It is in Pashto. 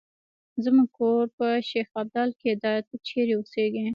زمونږ کور په شیخ ابدال کې ده، ته چېرې اوسیږې؟